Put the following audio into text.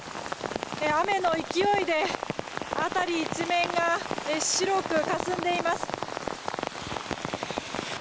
雨の勢いで辺り一面が白くかすんでいます。